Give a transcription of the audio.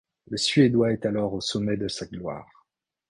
Le suédois est alors au sommet de sa gloire.